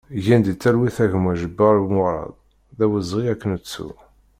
Gen di talwit a gma Ǧebbar Murad, d awezɣi ad k-nettu!